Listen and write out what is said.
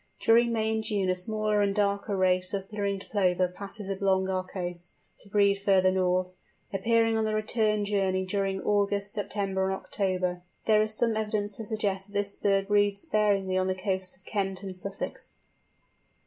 During May and June a smaller and darker race of Ringed Plover passes along our coasts, to breed further north; appearing on the return journey during August, September, and October. There is some evidence to suggest that this race breeds sparingly on the coasts of Kent and Sussex.